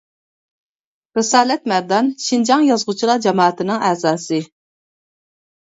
رىسالەت مەردان شىنجاڭ يازغۇچىلار جامائىتىنىڭ ئەزاسى.